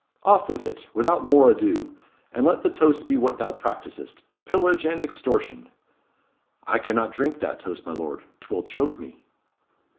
"Off with it! without more ado. And let the toast be what thou practisest 'Pillage and Extortion!'" "I cannot drink that toast, my lord. 'Twill choke me."